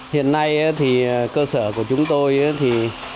hiện nay thì cơ sở của chúng tôi